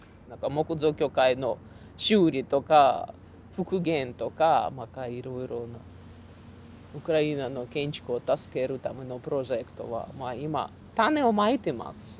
木造教会の修理とか復元とかまたいろいろなウクライナの建築を助けるためのプロジェクトは今種をまいてますし。